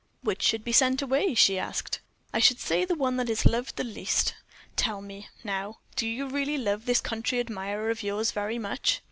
"Which should be sent away?" she asked. "I should say the one that is loved the least. Tell me, now, do you really love this country admirer of yours very much?"